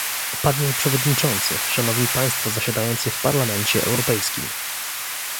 Panie przewodniczący, szanowni państwo zasiadający w Parlamencie Europejskim